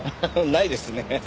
ないですね。